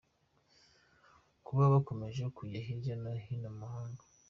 Kuba bakomeje kujya hirya no hino mu mahanga